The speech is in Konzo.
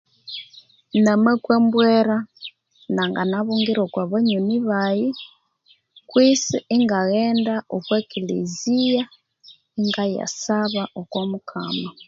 Namakwa embwera na nganabungira Kwa banywani bayi kwisi ingaghenda okwa keleziya ingayasaba okwa mukama